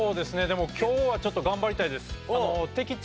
でも今日はちょっと頑張りたいです。